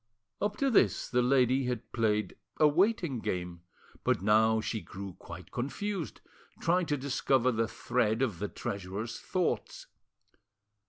Up to this the lady had played a waiting game, but now she grew quite confused, trying to discover the thread of the treasurer's thoughts.